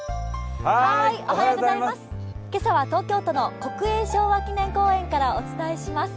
今朝は東京都の国営昭和記念公園からお伝えします。